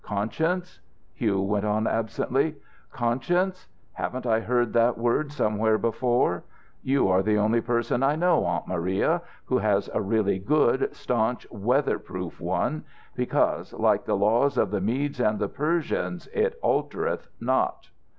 Conscience?" Hugh went on, absently. "Conscience? Haven't I heard that word somewhere before? You are the only person I know, Aunt Maria, who has a really good, staunch, weather proof one, because, like the laws of the Medes and Persians, it altereth not."